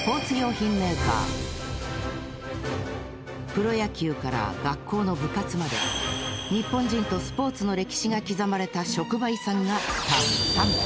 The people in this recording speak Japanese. プロ野球から学校の部活まで日本人とスポーツの歴史が刻まれた職場遺産がたくさん。